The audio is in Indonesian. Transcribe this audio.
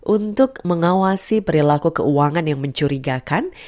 untuk mengawasi perilaku keuangan yang mencurigakan